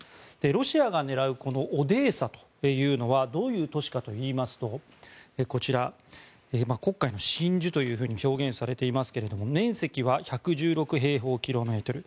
ロシアが狙うオデーサというのはどういう都市かといいますと黒海の真珠と表現されていますが面積は１１６平方キロメートル。